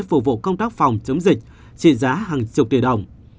phục vụ công tác phòng chống dịch trị giá hàng chục tỷ đồng